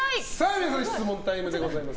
皆さん質問タイムでございます！